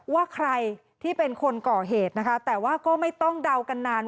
ว่าใครที่เป็นคนก่อเหตุนะคะแต่ว่าก็ไม่ต้องเดากันนาน